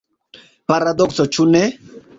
Paradokso, ĉu ne?